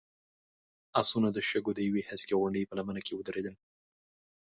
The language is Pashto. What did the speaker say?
آسونه د شګو د يوې هسکې غونډۍ په لمنه کې ودرېدل.